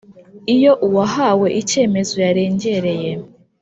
Iyo uwahawe icyemezo yarengereye